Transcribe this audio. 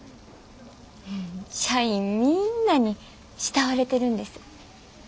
社員みんなに慕われてるんです。